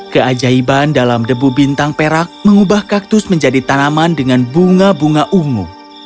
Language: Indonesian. keajaiban dalam debu bintang perak mengubah kaktus menjadi tanaman dengan bunga bunga ungu